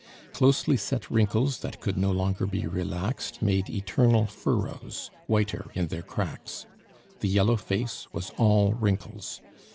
Closely set wrinkles that could no longer be relaxed made eternal furrows, whiter in their cracks. The yellow face was all wrinkles.